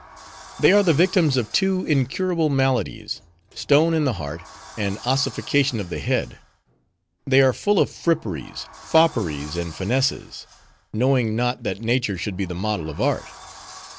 They are the victims of two incurable maladies: stone in the heart, and ossification of the head. They are full of fripperies, fopperies, and finesses; knowing not, that nature should be the model of art.